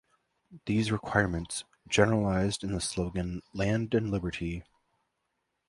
These requirements, generalized in the slogan Land and Liberty!